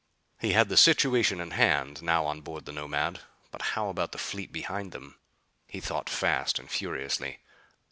He had the situation in hand now on board the Nomad. But how about the fleet behind them? He thought fast and furiously.